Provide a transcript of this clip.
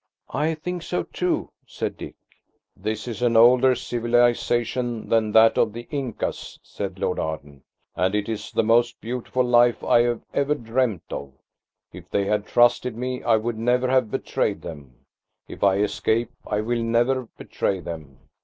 "I think so too," said Dick. "This is an older civilisation than that of the Incas," said Lord Arden, "and it is the most beautiful life I have ever dreamed of. If they had trusted me, I would never have betrayed them. If I escape, I will never betray them.